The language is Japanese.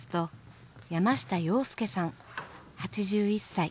８１歳。